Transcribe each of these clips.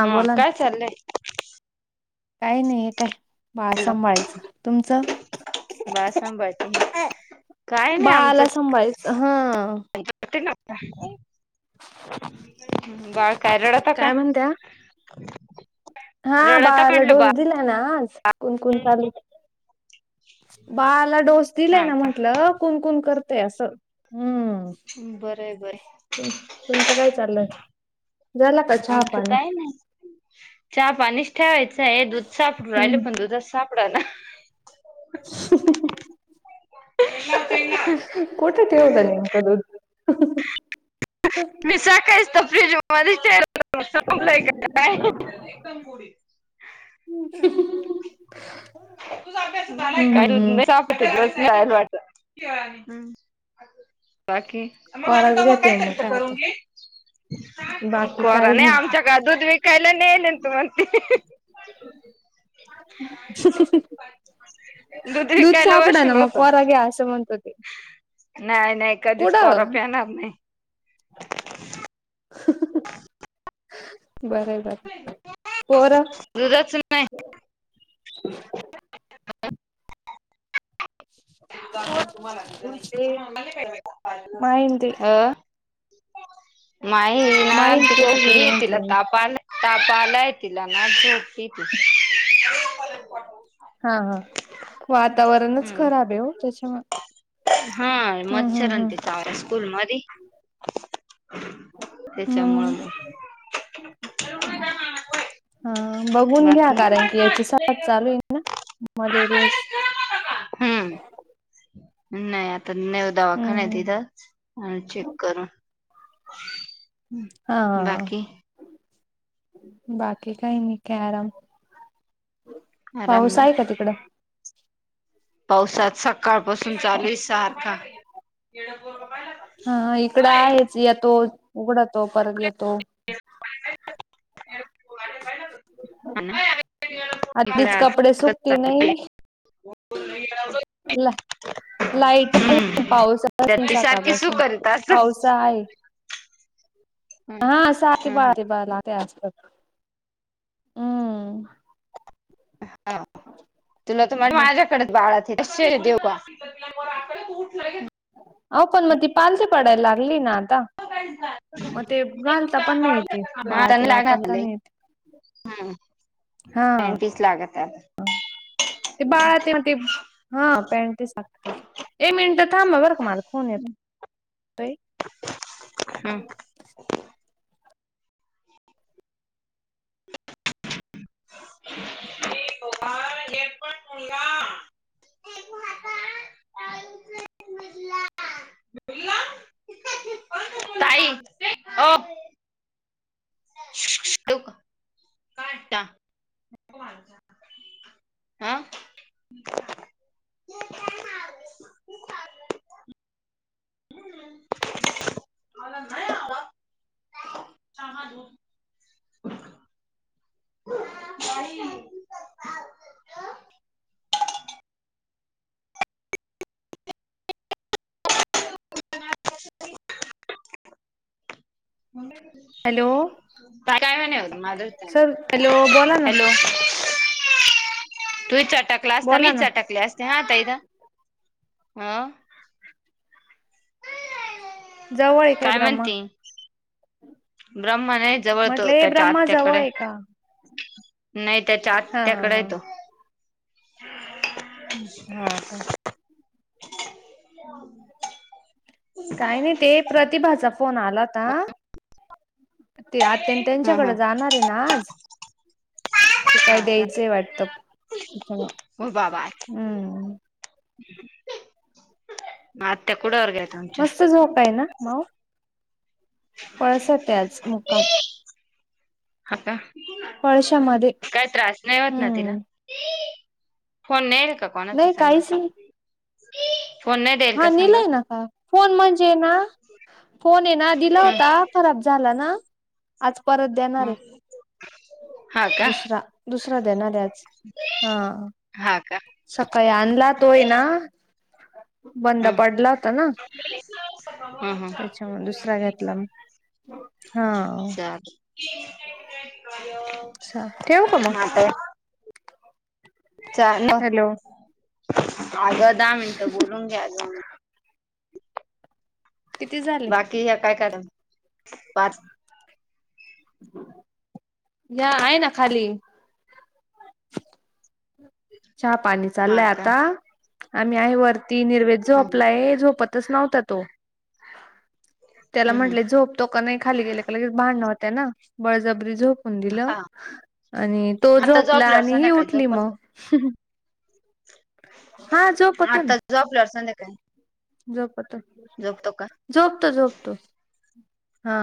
हा, काय चाललंय? काय नाही, हे काय बाळ सांभाळायचं. तुमच? बाळ [inaudible] नाही आमचं बाळाला सांभाळायच, हा. [unintelligible] बाळ काय रडतं का? काय म्हणत्या हा, रडता बाळाला म्हटलं बाळ डोस दिला ना आज, कुणकुण चालू बाळाला डोस दिलाय हा ना का म्हंटलं, कुणकुण करतय असं. हम्म बरंय, बाय. तुमचं काय चाललंय? झाला का चहा आमचं पाणी काय नाय. चहा, पाणीच ठेवायचं आहे, दूध सापडु राहिले पण, हम्म दुधात साप डना. [unintelligible] [unintelligible] कोठे ठेवलं नेमकं दुधं? [unintelligible] मी सकाळीच तर फ्रिज मधेच ठेव [unintelligible] दुध नाय [unintelligible] हम्म हम्म [unintelligible] बाकी? मग आग कोराच तेव्हा घ्या काय पिऊन मग करायचं आता करून घे. बाकी कोरा काही नाही, आमच्या काडे दूध विकायला नाही येल [unintelligible] [inaudible] दूध दुध विकायला सापडाना बसेल मग, होत कोरा घ्या आस म्हणत ते. नाही, नाही, कधीच कोरा कुठं पेणार नाही. बराय. कोरा. दुधच नाही. माईन ते [unintelligible] नाही ना, माईन ते कुठे गेले झोपलीय म्हंटले तीला मी ताप आलाय, ताप आलाय तीला नाई झोपलीय. [unintelligible] हा, हा, वातावरणच हम्म खराब आहे ओ, त्याच्या हा, हम्म मच्छरन हम्म ते चावले स्कूल मधी. हम्म त्याच्यामुळं मग हा, बघून घ्या बाकी कारण की, याची साथ चालू आहे ना, मलेरियाची. हम्म, नाही आता ता नेवू दवाखान्यात हम्म ईथच, आणि चेक करू. हा, हा, हा. बाकी बाकी काही नाही, काय आराम. आराम पाऊस ना आहे का तिकडं? पावसात सकाळपासून चालूय सारखा. हा इकडं [unintelligible] [unintelligible] येतो उघडतो, परत येतो. [unintelligible] [unintelligible] आणि आधीच आज कपडे सुकती नाही ला लाईट आहे नाही हम्म पावसा त्यात नाही ती सारखी सू सकाळपासून करीत असं पावसा आहे हा साडे बारा बाराले असतात हू हा तुला त म्ह माझ्याकडच बाळाचे दुसरे देऊ का त्याच्यामुळे आकडत उठलंय आव पण म ती पालथी पडायला लागली ना आता म ते घालता पण येतील आता बाळाचे वापरता नई येत हा हा ते बाळा ते ते हा पॅटी सारखं त्याच एक मिनट थांब वर्क मन फोन येत ताई गोपाल एक पण मुलगा [inaudible] ताई ओ [unintelligible] काय ता हा [unintelligible] हॅलो सर हॅलो बोला ना हॅलो तूही चटकला असता बोला मी ना चटकले अस जतायदा हो जवळ काय म्हणती ब्रह्मण आहे जवळ तो म्हटलं हे त्याच्या ब्रह्मा जवळ आत्याकडे आहे का नाही त्याच्या हा आत्या हा कड हाय हा तो हा का [inaudible] काही नाही ते प्रतिभाचा फोन आलाता ते आत्या हा त्यांच्याकड जाणार हाय ना आज ते काय हा द्यायचंय वाटतं हो बाबा. हू आत्या कुड वर गेल्या होत्या झोपायला पळसात हाय आज मुक्काम हो का पळशामध्ये काय त्रास नाही होत ना तिला हम्म फोन नाहीये का कोणाचा नाही संग? काहीच फोन नाही देईल हा का संग? नेलय ना का फोन म्हणजे ना फोन ये ना दिला होता हम्म. खराब झाला ना आज परत देणार हाय हा का? दुसरा दुसरा देणार हाय आज हा हा का? सकाळी आणला तो हे ना बंद हम्म. पडला होता ना हम्म हम्म. त्याच्यामुळे दुसरा घेतला म हा [unintelligible] अच्छा ठेऊ का मग आता चाल हॅलो अगं दहा मिनटं बोलून घे अजून किती झाले ती एका कड पाच [unintelligible] या आहे ना खाली. चहा पाणी हा चाललाय का? आता, आम्ही आहे वरती निर्वेद हम्म. झोपलाय झोपत नव्हता तो, त्याला हं हं म्हटले झोप तोक नाही खाली गेले लगेच भांडणं होतय ना बळजबरी झोप दिलं हा आणि तो आता झोपला झोपल्यावर आणिही संध्याकाळी उठली मग. हा झोपतो ना आताच झोपलवर संध्याकाळी झोपतो. झोपतो का? झोपतो झोपतो, हा,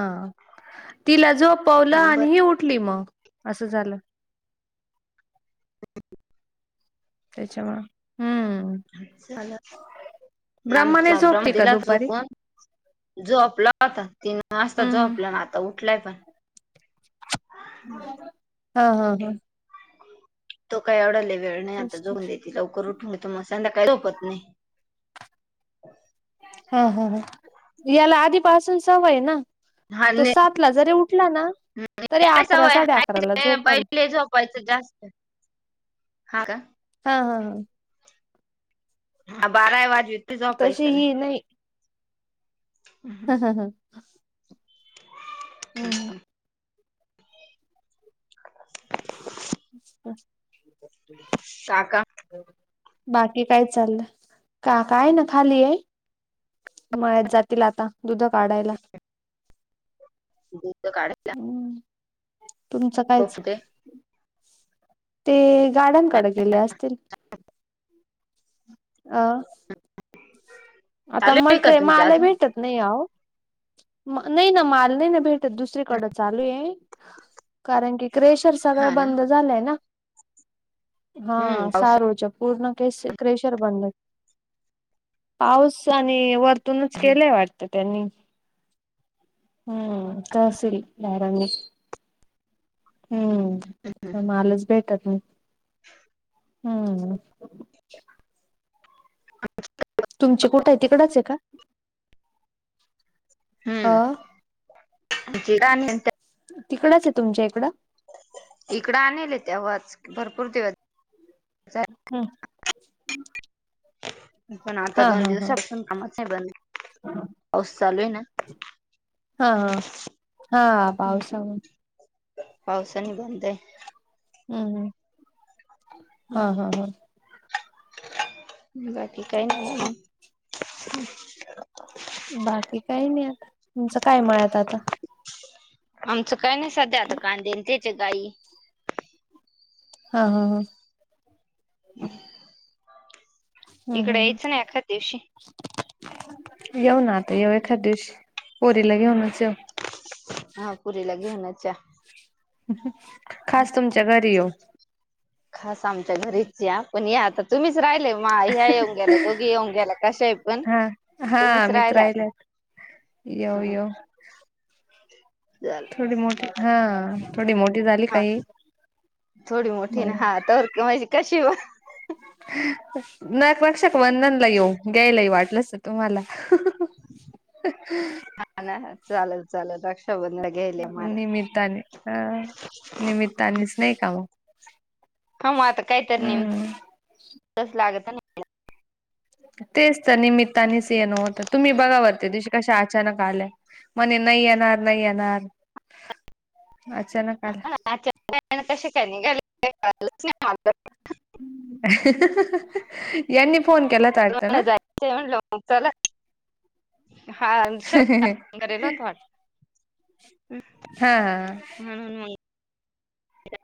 तिला झोपवलं आणि ही बरं उठली मग असं झालं. त्याच्या मुळं, हम नमचा ब्रम दिला झोपून, झोपला होता तीन वाजता हम्म झोपला होता आता उठलाय पण. हा हा हा तो काही येवडलय वेळ नाही आता जऊन देेते लवकर उठून घेत मग संध्याकाळी झोपत नाही. हा हा ह याला आधीपासून सवय ना, हा तो नाही सात ला जरी उठला ना, तरी अकरा साडे अकराला झोपल पहिले झोपायचं जास्त, हा का हा हा हा हा बारा ही वाजवीत. तशी ही नाही. हा हा हा हम्म हमम्हम्म [unintelligible] [unintelligible] साका बाकी काय चाललं काका आहे ना खाली. मळ्यात जातील आता दुध काढायला. दूध काढायला. हम्म, तुमचं कायच पप्पू ते ते गार्डनकडे गेले असतील. [unintelligible] अ आता चालू आहे का मट्रेल तुमच्या माल ही अजून भेटत नाही आ, नाही ना माल नाही ना भेटत दुसरीकडं चालू आहे, कारण की क्रेशर सगळ हा ना बंद झालंय ना. हा हम्म पावसा सारूळ चे पूर्ण केस क्रेशर बंद पाऊस आणि वरतूनच केलेय वाट टत त्यांनी, हम्म तर असेल दहारांनी हम्म मालाच भेटत नाही. [unintelligible] हम्म तुमचे कुठं आहे तिकडच आहे का? अ आमची [unintelligible] तिकडचं तुमच्या इकडं इकडं आणेलं तेव्हाच भरपूर दिवस झाले हम पण आता हा दोन हा हा दिवसापासून कामचं बंद [unintelligible] पाऊसं चालूय ना हा हा... हा पाऊसानी पावसानी बंदय हम्म हम् हा हा हा बाकी काही नाही बाकी काही नाही आता, तुमचं काय मळ्यात आता आमचं काई नाही सध्या आता कांदेन तेचं गाई हा हा हा हम हम्म हम्म एखाद दिवशी येऊ ना आता येऊ एखाद्या दिवशी, पोरीला घेऊनचं येऊ हा पोरीला घेऊनचं या खास तुमच्या घरी येऊ खास आमच्या घरीचं या पण या आता तुम्हीच राहिलय माय ह्या येऊन गेल्या दोघी येऊन गेल्या कशाय पण हा हा तुम्हीच मीचं राहिले आता राहिलं, येऊ हं, येऊ चालेल थोडी मोठी हा थोडी मोठी झाली का हा ही... म येईल केव्हा येशी, कशी ओ नक रक्षक बंदन ला येऊ घ्यायला येऊ वाटलंस तुम्हाला हा ना चालल चालल रक्षाबंधन घ्यायला मला निमित्ताने अ निमित्तानेच नाही का हो हा म आता काहीतरी नेम [unintelligible] लागत ना तेचं तर निमित्तानीस येन होतं तुम्ही बघा बरं त्या दिवशी कशा अचानक आल्या, म्हणे नाही येणार नाही येणार अचानक आल्या अचानक [unintelligible] ह ह ह.... यांनी फोन केला लवकर जायचंय म्हणलं मग चला हा [unintelligible] होता वाट हा हा हून मी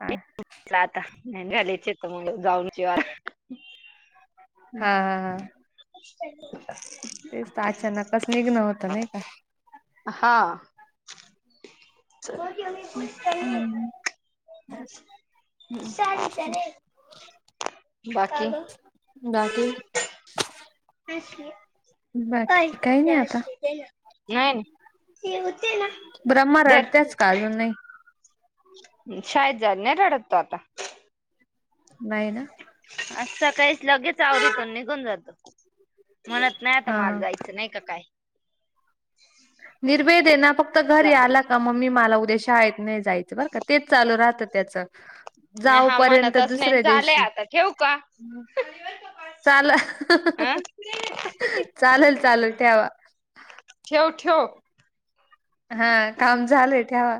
हा म्हटलं आता अन झालेय चेक करून म्हणलं जाऊनचं येऊ आता हा हा हा, तेच त अचानकचं निघन होतं नाही का हा [unintelligible] बाकी बाकी नाही बाकी काही नाही आता हे होते ना, धर [inaudible] द नाही. [inaudible] शाद [inaudible] जा न रडतो आता. नाहीय ना. असं काहीच लगेच आववरतो निघून जातो. म्हणत नाही आता हा माल हा जायचं नाही का काय? निर्वेद आहे ना फक्त जा घरी आला का मम्मी मला उद्या [inaudible] शा [inaudible] आहेतेत नाही जायचं बर का. तेच चालू राहत त्याच. नाही जाऊ हा पर्यंत म्हणतच नाही दुसऱ्या झालंय दिवशी. आता ठेवू का? चाल.. अं चालेल, चालेल ठेवा. ठेवठेव. हा काम झाले ठेवा.